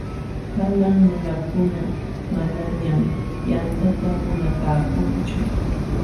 Kanan nunakuna manañam yantata munapaakunchu.